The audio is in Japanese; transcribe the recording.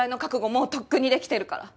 もうとっくにできてるから。